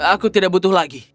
aku tidak butuh lagi